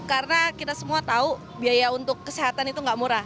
karena kita semua tahu biaya untuk kesehatan itu enggak murah